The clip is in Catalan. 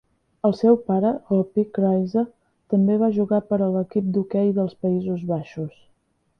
El seu pare, Roepie Kruize, també va jugar per a l'equip d'hoquei dels Països Baixos.